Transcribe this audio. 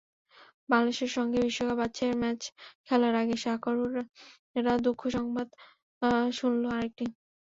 বাংলাদেশের সঙ্গে বিশ্বকাপ বাছাইয়ের ম্যাচ খেলার আগে সকারুরা দুঃসংবাদ শুনল আরেকটি।